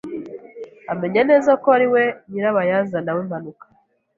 Amenya neza ko ariwe nyirabayazana w'impanuka.